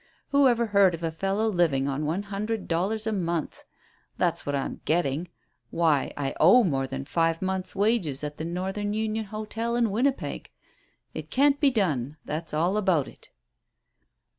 Who ever heard of a fellow living on one hundred dollars a month! That's what I'm getting. Why, I owe more than five months' wages at the Northern Union Hotel in Winnipeg. It can't be done; that's all about it."